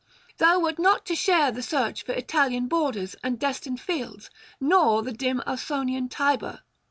Thou wert not to share the search for Italian borders and destined fields, nor the dim Ausonian Tiber.'